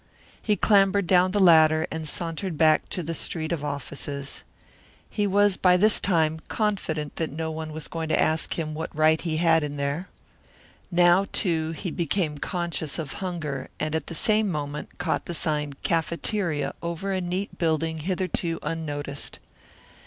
He clambered down the ladder and sauntered back to the street of offices. He was by this time confident that no one was going to ask him what right he had in there. Now, too, he became conscious of hunger and at the same moment caught the sign "Cafeteria" over a neat building hitherto unnoticed.